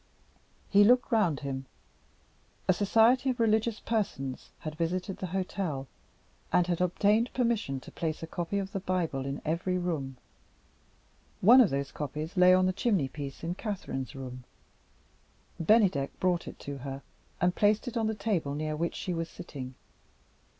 He looked round him. A society of religious persons had visited the hotel, and had obtained permission to place a copy of the Bible in every room. One of those copies lay on the chimney piece in Catherine's room. Bennydeck brought it to her, and placed it on the table near which she was sitting.